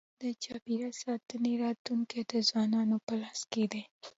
د چاپېریال ساتنې راتلونکی د ځوانانو په لاس کي دی.